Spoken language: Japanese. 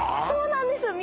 そうなんです